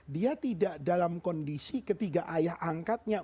dia tidak dalam kondisi ketika ayah angkatnya